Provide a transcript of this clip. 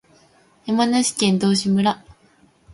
山梨県道志村